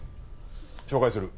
紹介する。